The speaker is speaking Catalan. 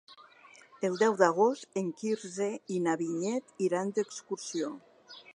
El deu d'agost en Quirze i na Vinyet iran d'excursió.